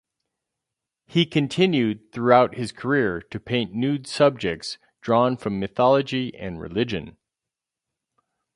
He continued throughout his career to paint nude subjects drawn from mythology and religion.